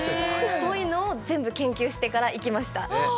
そういうのを全部研究してから行きました。